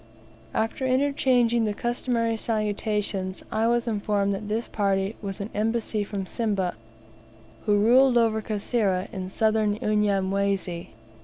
After interchanging the customary salutations, I was informed that this party was an embassy from Simba ("Lion"), who ruled over Kasera, in Southern Unyamwezi.